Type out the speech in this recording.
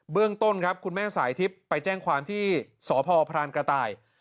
เรื่องต้นครับคุณแม่สายทิพย์ไปแจ้งความที่สพพรานกระต่าย